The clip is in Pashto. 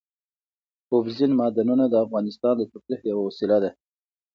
اوبزین معدنونه د افغانانو د تفریح یوه وسیله ده.